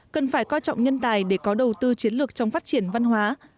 cần phải coi trọng nhân tài để có đầu tư chiến lược trong phát triển văn hóa